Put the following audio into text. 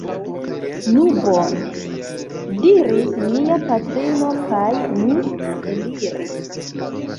Nu bone! diris mia patrino, kaj ni eliris.